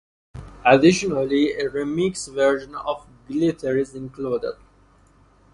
Additionally, a remix version of "Glitter" is included.